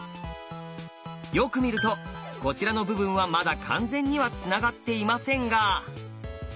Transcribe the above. よく見るとこちらの部分はまだ完全にはつながっていませんが。